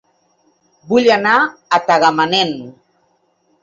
Vull anar a Tagamanent